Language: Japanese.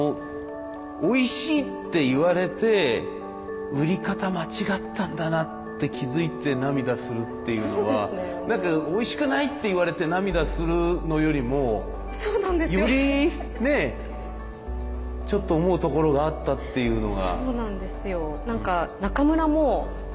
おいしいって言われて売り方間違ったんだなって気付いて涙するっていうのは何かおいしくないって言われて涙するのよりもよりねちょっと思うところがあったっていうのが。